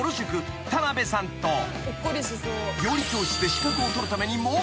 ［料理教室で資格を取るために猛勉強中］